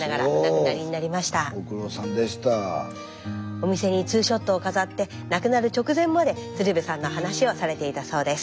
お店にツーショットを飾って亡くなる直前まで鶴瓶さんの話をされていたそうです。